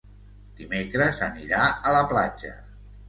Dimecres anirà a la platja.